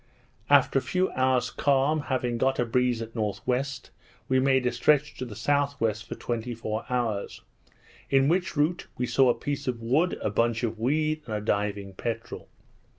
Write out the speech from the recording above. After a few hours calm, having got a breeze at N.W., we made a stretch to the S.W. for twenty four hours; in which route we saw a piece of wood, a bunch of weed, and a diving peterel.